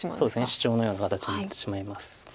シチョウのような形になってしまいます。